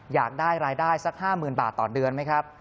อยากได้รายได้สัก๕๐๐๐บาทต่อเดือนไหมครับ